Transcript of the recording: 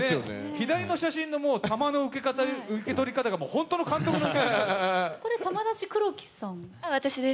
左の写真の球の受け取り方が本当の監督の受け方なんですよ。